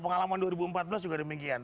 pengalaman dua ribu empat belas juga demikian